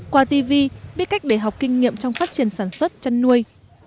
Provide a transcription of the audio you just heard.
qua tv biết cách để học kinh nghiệm trong phát triển sản xuất chăn nuôi